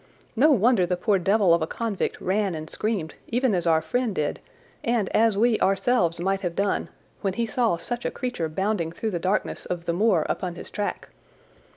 No wonder the poor devil of a convict ran and screamed, even as our friend did, and as we ourselves might have done, when he saw such a creature bounding through the darkness of the moor upon his track.